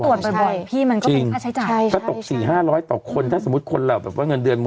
แต่ถ้าตรวจบ่อยพี่มันก็เป็นค่าใช้จ่ายถ้าตก๔๕๐๐ต่อคนถ้าสมมติคนเราเงินเดือน